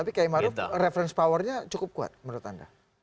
tapi kay ma'ruf reference powernya cukup kuat menurut anda